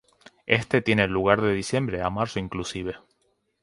Éste tiene lugar de diciembre a marzo inclusive.